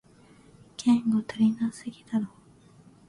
言語足りなすぎだろ